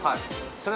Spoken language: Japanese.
それ